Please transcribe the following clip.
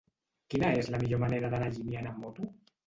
Quina és la millor manera d'anar a Llimiana amb moto?